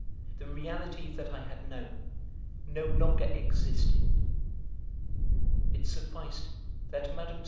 The reality that I had known no longer existed. It sufficed that Mme.